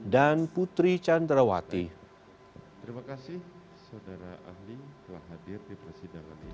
dan putri candrawati